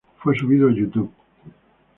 Fue subido a YouTube.